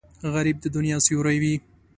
غریب د دنیا سیوری وي